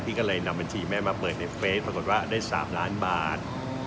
ก็เลยนำบัญชีแม่มาเปิดในเฟสปรากฏว่าได้๓ล้านบาท